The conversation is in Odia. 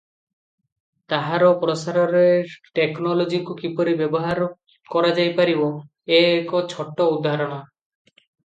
ତାହାର ପ୍ରସାରରେ ଟେକନୋଲୋଜିକୁ କିପରି ବ୍ୟବହାର କରାଯାଇପାରିବ ଏ ଏକ ଛୋଟ ଉଦାହରଣ ।